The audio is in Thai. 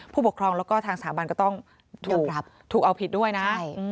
ผู้ปกครองและทางสถาบันก็ต้องถูกเอาผิดด้วยนะ